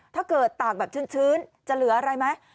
ตากแบบชื้นจะเหลืออะไรไหม